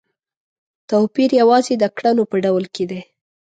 توپیر یوازې د کړنو په ډول کې دی.